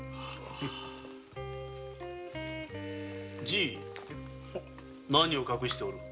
じぃ何を隠しておる？